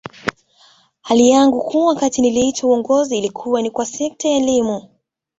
Ari yangu kuu wakati nilitwaa uongozi ilikuwa ni kwa sekta ya elimu